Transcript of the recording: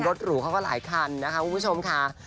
หรูเขาก็หลายคันนะคะคุณผู้ชมค่ะ